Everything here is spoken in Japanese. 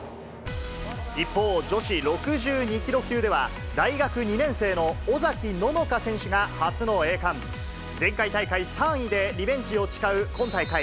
一方、女子６２キロ級では、大学２年生の尾崎野乃香選手が初の栄冠。前回大会３位でリベンジを誓う今大会。